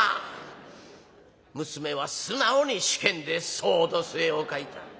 娘は素直に試験で「そうどすえ」を書いた。